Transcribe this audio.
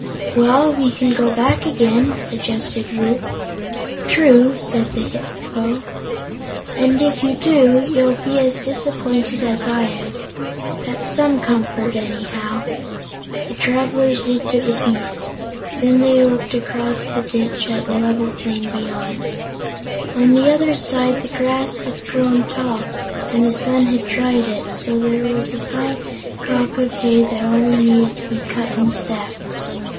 "Well, we can go back again," suggested Woot. "True," said the Hip po; "and if you do, you'll be as disappointed as I am. That's some comfort, anyhow." The travelers looked at the beast, and then they looked across the ditch at the level plain beyond. On the other side the grass had grown tall, and the sun had dried it, so there was a fine crop of hay that only needed to be cut and stacked.